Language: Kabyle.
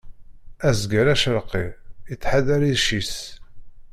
Azger acerqi ittḥadar icc-is.